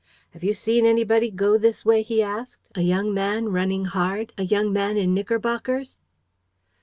"'Have you seen anybody go this way?' he asked. 'A young man, running hard? A young man in knickerbockers?'